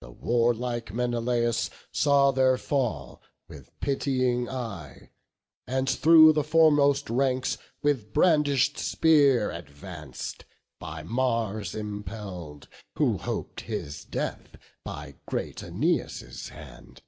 The warlike Menelaus saw their fall With pitying eye; and through the foremost ranks With brandish'd spear advanc'd, by Mars impell'd, Who hop'd his death by great Æneas' hand.